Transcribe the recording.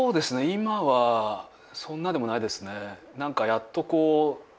今はそんなでもないですね。